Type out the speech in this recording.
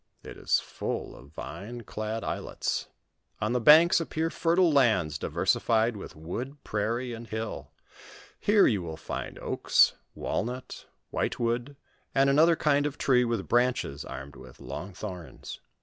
It is full of vine dad islets. On the banks appear fertile lands divereified with wood, prairie, and hill. Here you find oaks, walnut, whitewood, and another kind of tree with branches armed with long thorns.